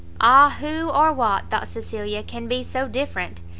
Ah who, or what, thought Cecilia, can be so different?